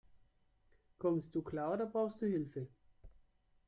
Kommst du klar, oder brauchst du Hilfe?